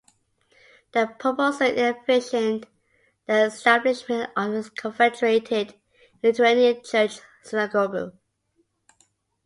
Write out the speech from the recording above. The proposal envisioned the establishment of a confederated unitarian church-synagogue.